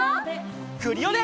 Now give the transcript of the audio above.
クリオネ！